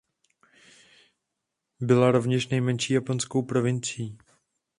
Byla rovněž nejmenší japonskou provincií.